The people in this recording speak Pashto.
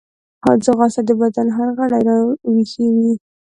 ځغاسته د بدن هر غړی راویښوي